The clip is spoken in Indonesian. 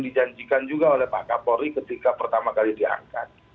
dijanjikan juga oleh pak kapolri ketika pertama kali diangkat